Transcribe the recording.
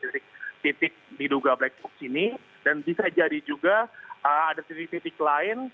jadi memang ada titik titik diduga black box ini dan bisa jadi juga ada titik titik lain